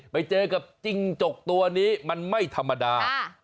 ไปเจอกับจิ้งจกตัวนี้มันไม่ธรรมดา